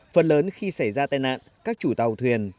phần lớn khi xảy ra tai nạn các chủ tàu thuyền